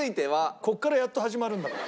ここからやっと始まるんだから。